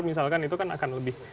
misalkan itu kan akan lebih